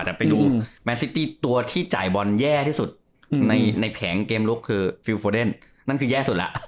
แต่ไปดูแมนซิตี้ตัวที่จ่ายบอลแย่ที่สุดในแผงเกมลุกคือฟิลโฟเดนนั่นคือแย่สุดแล้ว